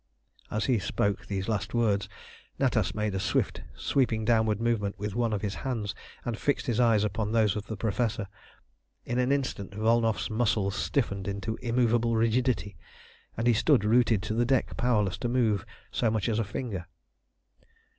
As he spoke these last words Natas made a swift, sweeping downward movement with one of his hands, and fixed his eyes upon those of the Professor. In an instant Volnow's muscles stiffened into immovable rigidity, and he stood rooted to the deck powerless to move so much as a finger.